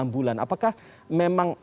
enam bulan apakah memang